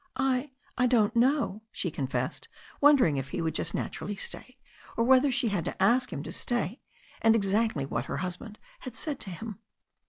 "I — I don't know," she confessed, wondering if he would just naturally stay, or whether she had to ask him to stay, and exactly what her husband had said to him.